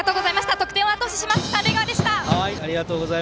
得点をあと押しします三塁側でした。